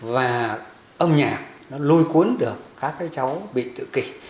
và âm nhạc nó lôi cuốn được các cái cháu bị tự kỷ